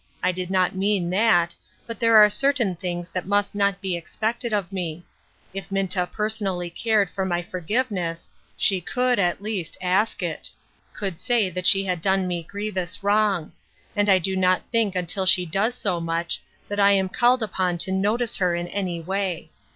I did not mean that, but there are certain things that must not be expected of me. If Minta personally cared for my forgive ness, she could, at least, ask it ; could say that she had done me grievous wrong ; and I do not think until she does so much, that I am called upon to notice her in any way.